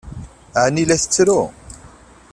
Ɛni la tettru?